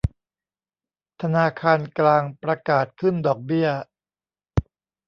ธนาคารกลางประกาศขึ้นดอกเบี้ย